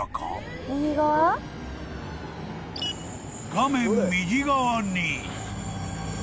［画面右側に］